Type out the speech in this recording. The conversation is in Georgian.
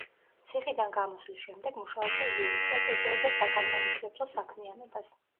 ციხიდან გამოსვლის შემდეგ მუშაობდა იურისტად, ეწეოდა საგანმანათლებლო საქმიანობას.